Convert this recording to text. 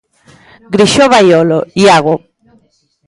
Grixó Baiolo, Iago.